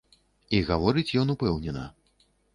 І гаворыць ён упэўнена.